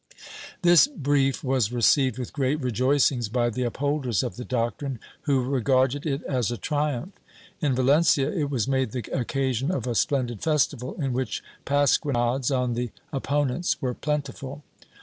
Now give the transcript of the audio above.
^ This brief was received with great rejoicings by the upholders of the doctrine, who regarded it as a triumph. In Valencia it was made the occasion of a splendid festival, in which pasquinades on the opponents were plentiful.